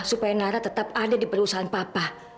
supaya nara tetap ada di perusahaan papa